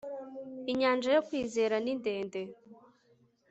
Inyanja yo Kwizera ni ndende